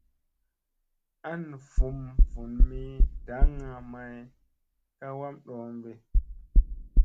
An vum vun mi daŋga may ka wam ɗoombi.